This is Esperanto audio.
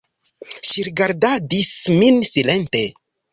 Ŝi rigardadis min silente.